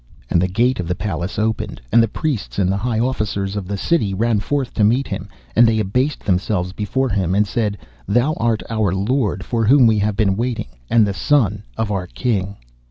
And the gate of the palace opened, and the priests and the high officers of the city ran forth to meet him, and they abased themselves before him, and said, 'Thou art our lord for whom we have been waiting, and the son of our King.